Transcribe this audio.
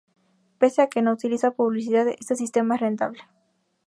Pese a que no utiliza publicidad, este sistema es rentable.